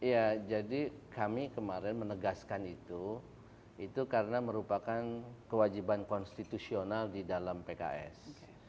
ya jadi kami kemarin menegaskan itu itu karena merupakan kewajiban konstitusional di dalam pks